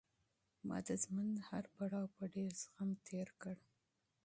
ما د ژوند هر پړاو په ډېرې حوصلې تېر کړ.